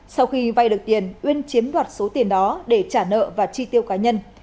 sau khi vay được tiền uyên chiếm đoạt số tiền đó để trả nợ và chi tiêu cá nhân